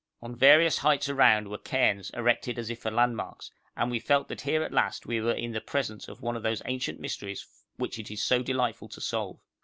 On various heights around were cairns erected as if for landmarks, and we felt that here at last we were in the presence of one of those ancient mysteries which it is so delightful to solve.